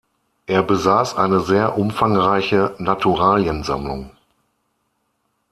Er besaß eine sehr umfangreiche Naturaliensammlung.